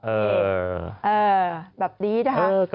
เออแบบนี้นะคะ